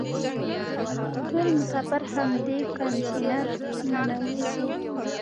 ټول مسافر په همدې کانتینر ننوزي.